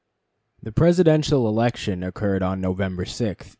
The Presidential election occurred on November 6,1860.